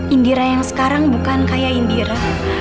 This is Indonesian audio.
indira yang sekarang bukan kayak indira